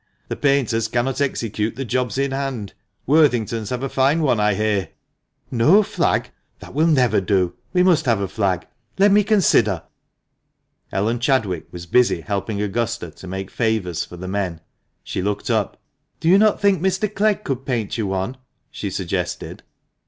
The painters cannot execute the jobs in hand. Worthington's have a fine one I hear." " No flag ! That will never do. We must have a flag. Let me consider." Ellen Chadwick was busy helping Augusta to make favours for the men. She looked up. "Do you not think Mr. Clegg could paint you one?" she suggested.